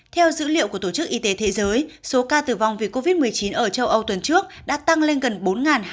theo dữ liệu của tổ chức y tế thế giới số ca tử vong vì covid một mươi chín ở châu âu tuần trước đã tăng lên gần bốn hai